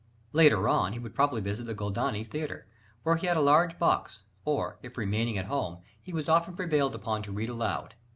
Later on, he would probably visit the Goldoni Theatre, where he had a large box: or, if remaining at home, he was often prevailed upon to read aloud.